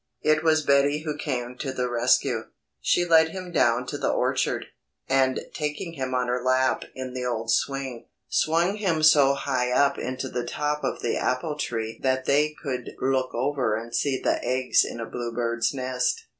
It was Betty who came to the rescue. She led him down to the orchard, and taking him on her lap in the old swing, swung him so high up into the top of the apple tree that they could look over and see the eggs in a blue bird's nest.